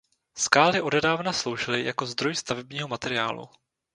Skály odedávna sloužily jako zdroj stavebního materiálu.